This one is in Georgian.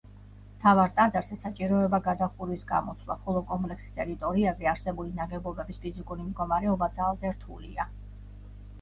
მთავარ ტაძარს ესაჭიროება გადახურვის გამოცვლა, ხოლო კომპლექსის ტერიტორიაზე არსებული ნაგებობების ფიზიკური მდგომარეობა ძალზე რთულია.